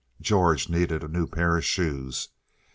George needed a new pair of shoes.